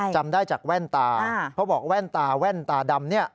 จำได้จากแว่นตาเขาบอกแว่นตาแว่นตาดำเนี่ย